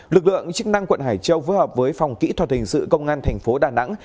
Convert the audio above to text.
lực lượng chức năng quận hải châu phối hợp với phòng kỹ thuật hình sự công an thành phố đà nẵng